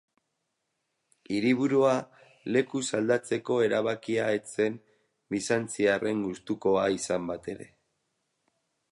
Hiriburua lekuz aldatzeko erabakia ez zen bizantziarren gustukoa izan batere.